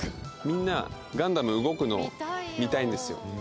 みんな、ガンダム動くのを見たいんですよ。